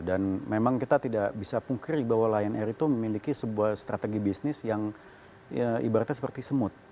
dan memang kita tidak bisa pungkiri bahwa lion air itu memiliki sebuah strategi bisnis yang ibaratnya seperti semut